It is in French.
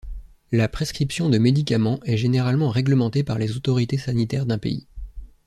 La prescription de médicament est généralement réglementée par les autorités sanitaires d'un pays.